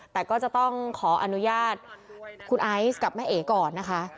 แต่ก็จะต้องขออนุญาตคุณไอซ์กับแม่เอ๋ก่อนนะคะ